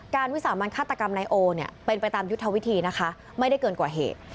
วิสามันฆาตกรรมนายโอเนี่ยเป็นไปตามยุทธวิธีนะคะไม่ได้เกินกว่าเหตุ